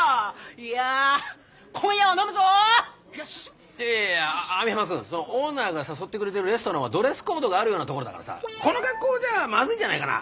いやいや網浜くんオーナーが誘ってくれてるレストランはドレスコードがあるようなところだからさこの格好じゃまずいんじゃないかな。